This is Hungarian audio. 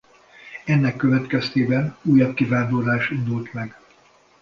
Ennek következtében újabb kivándorlás indult meg.